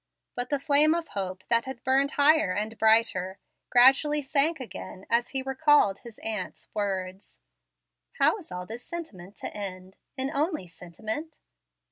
But the flame of hope, that had burned higher and brighter, gradually sank again as he recalled his aunt's words, "How is all this sentiment to end? in only sentiment?"